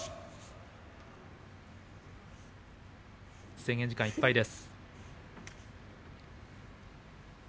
制限時間いっぱいです。